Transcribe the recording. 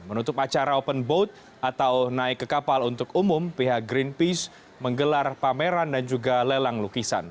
menutup acara open boat atau naik ke kapal untuk umum pihak greenpeace menggelar pameran dan juga lelang lukisan